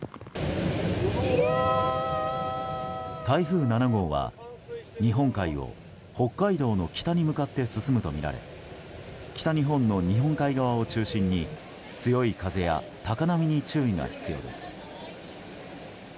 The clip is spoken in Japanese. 台風７号は日本海を北海道の北に向かって進むとみられ北日本の日本海側を中心に強い風や高波に注意が必要です。